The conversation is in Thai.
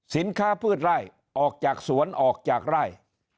สินค้าพืชไร้ออกจากสวนออกจากไร้